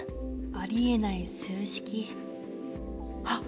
ありえない数式あっ！